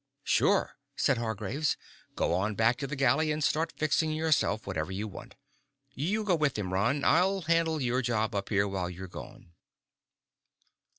"Sure," said Hargraves. "Go on back to the galley and start fixing yourself whatever you want. You go with him, Ron. I'll handle your job up here while you're gone."